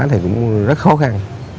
thì cũng rất khó khăn